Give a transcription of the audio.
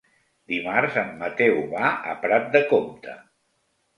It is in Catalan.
Dimarts en Mateu va a Prat de Comte.